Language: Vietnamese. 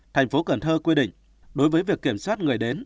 tp cn quy định đối với việc kiểm soát người đến